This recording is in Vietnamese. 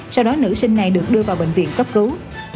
sau đó nữ sinh này được đưa vào bệnh viện cấp cứu